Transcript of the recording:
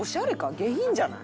下品じゃない？